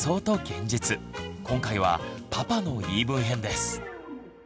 今回は「パパの言い分編」です。